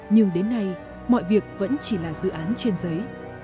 nhưng đến nay mọi việc vẫn chỉ là dự án trên giấy